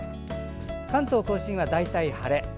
関東・甲信は大体晴れ。